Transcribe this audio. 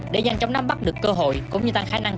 để nhanh chóng nắm bắt được cơ hội cũng như tăng khả năng